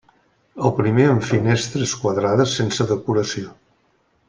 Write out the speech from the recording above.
El primer amb finestres quadrades sense decoració.